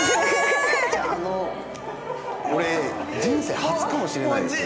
俺人生初かもしれないです。